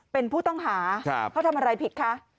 เป็นผู้ต้องหาเขาทำอะไรผิดคะ